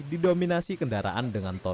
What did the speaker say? didominasi kendaraan dan jembatan ketafang